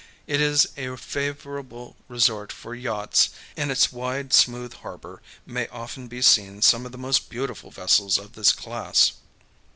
It is a favorable resort for yachts, and in its wide, smooth harbor may often be seen some of the most beautiful vessels of this class.